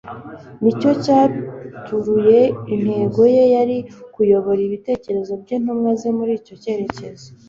Ni cyo cyaturuye intego ye yari ukuyobora ibitekerezo by'intumwa ze muri icyo cyerekezo.